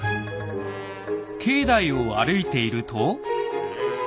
境内を歩いていると。